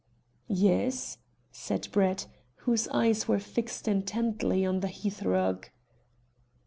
"Yes?" said Brett, whose eyes were fixed intently on the hearthrug.